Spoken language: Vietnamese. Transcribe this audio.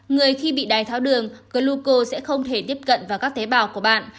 người khi bị đai tháo đường gluco sẽ không thể tiếp cận vào các tế bào của bạn